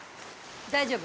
大丈夫？